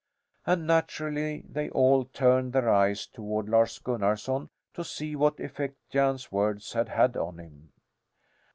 And naturally they all turned their eyes toward Lars Gunnarson to see what effect Jan's words had had on him.